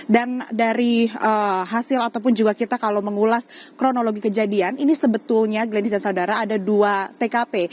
dan dari hasil ataupun juga kita kalau mengulas kronologi kejadian ini sebetulnya ada dua tkp